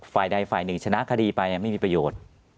ฝ่ายใดฝ่ายหนึ่งชนะคดีไปไม่มีประโยชน์